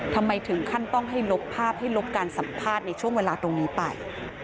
ทำไมถึงขั้นต้องให้ลบภาพให้ลบการสัมภาษณ์ในช่วงเวลาตรงนี้ไป